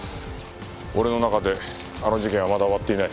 俺の中であの事件はまだ終わっていない。